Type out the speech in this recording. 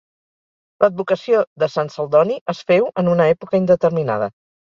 L'advocació de sant Celdoni es féu en una època indeterminada.